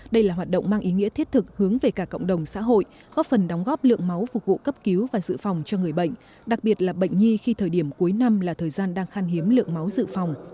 đây là hoạt động mang ý nghĩa thiết thực hướng về cả cộng đồng xã hội góp phần đóng góp lượng máu phục vụ cấp cứu và dự phòng cho người bệnh đặc biệt là bệnh nhi khi thời điểm cuối năm là thời gian đang khan hiếm lượng máu dự phòng